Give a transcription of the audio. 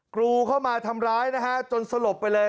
กรูเข้ามาทำร้ายนะฮะจนสลบไปเลย